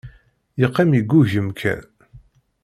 Yeqqim yeggugem kan.